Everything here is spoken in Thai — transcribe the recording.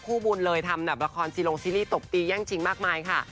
คู่บุญเลยทำแบบละครซีลงซีรีส์ตบตีแย่งชิงมากมายค่ะ